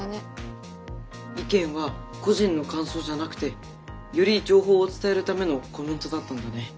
意見は個人の感想じゃなくてより情報を伝えるためのコメントだったんだね。